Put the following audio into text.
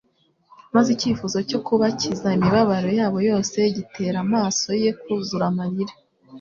maze ikifuzo cyo kubakiza imibabaro yabo yose gitera amaso ye kuzura amarira.